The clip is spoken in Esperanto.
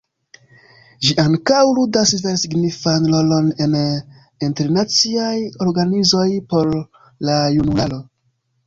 Ĝi ankaŭ ludas vere signifan rolon en internaciaj organizoj por la junularo.